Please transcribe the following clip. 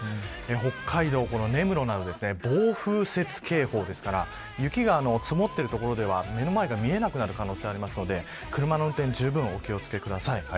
北海道、根室など暴風雪警報ですから雪が積もっている所では目の前が見えなくなる可能性があるので車の運転にじゅうぶんお気を付けください。